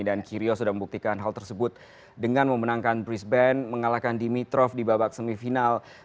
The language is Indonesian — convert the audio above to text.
dan kyrgyz sudah membuktikan hal tersebut dengan memenangkan brisbane mengalahkan dimitrov di babak semifinal